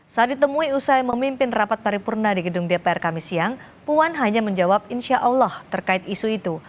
saat ditemui usai memimpin rapat paripurna di gedung dpr kami siang puan hanya menjawab insya allah terkait isu itu